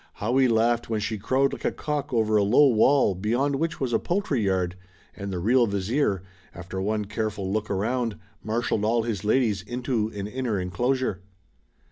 How we laughed when she crowed like a cock over a low wall beyond which was a poultry yard, and the real Vizier, after one careful look around, marshalled all his ladies into an inner enclosure.